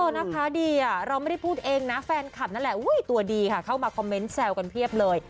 นักค้าดีเราไม่ได้พูดเองนะแฟนคับนั่นละตัวดีเข้ามาคอมเม้นท์แซวกันเทียบเลย